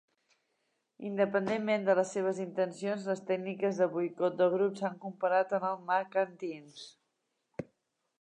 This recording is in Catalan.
Independentment de les seves intencions, les tècniques de boicot del grup s'han comparat al McCarthyism.